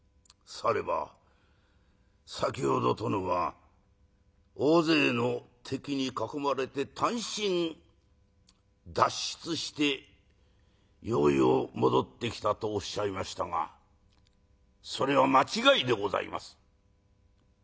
「されば先ほど殿は大勢の敵に囲まれて単身脱出してようよう戻ってきたとおっしゃいましたがそれは間違いでございます」。